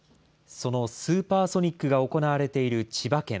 そのスーパーソニックが行われている千葉県。